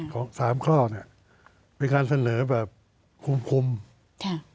ของสามข้อเนี้ยเป็นการเสนอแบบคุมคุมค่ะ